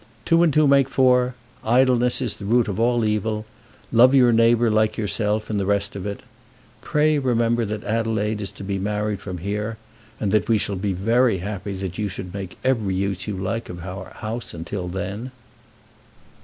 Two and two make four; idleness is the root of all evil; love your neighbour like yourself, and the rest of it. Pray remember that Adelaide is to be married from here, and that we shall be very happy that you should make every use you like of our house until then."